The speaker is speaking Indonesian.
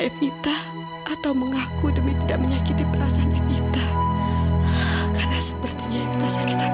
evita atau mengaku demi tidak menyakiti perasaan evita karena sepertinya kita sakitan